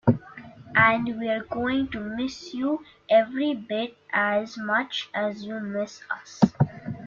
And we're going to miss you every bit as much as you miss us.